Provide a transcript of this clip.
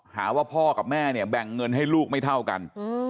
หาว่าพ่อกับแม่เนี่ยแบ่งเงินให้ลูกไม่เท่ากัน